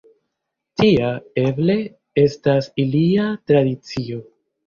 Tia, eble, estas ilia tradicio.